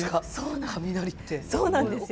そうなんです。